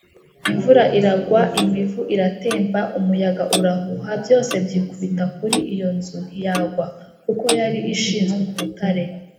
imvura iragwa, imivu iratemba, umuyaga urahuha, byose byikubita kuri iyo nzu ntiyagwa, kuko yari ishinzwe ku rutare